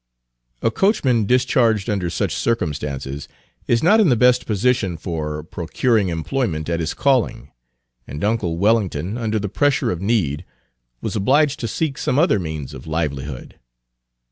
A coachman discharged under such circumstances is not in the best position for procuring employment at his calling, and uncle Wellington, under the pressure of need, was obliged to seek some other means of livelihood.